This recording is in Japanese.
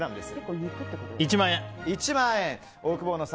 １万円。